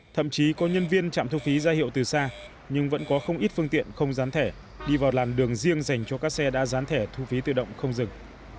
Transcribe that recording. thậm chí có nhân viên trạm thu phí ra hiệu từ xa nhưng vẫn có không ít phương tiện không gián thẻ đi vào làn đường riêng dành cho các xe đã dán thẻ thu phí tự động không dừng